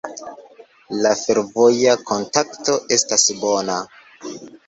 La fervoja kontakto estas bona.